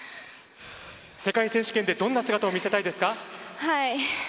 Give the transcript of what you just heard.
世界選手権でどんな姿を見せたいですか？